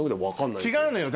違うのよ。